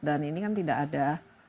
dan ini kan tidak ada